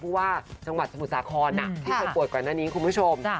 ผู้ว่าจังหวัดสมุทรศาคอนที่เป็นปวดกว่านั้นนี้คุณผู้ชม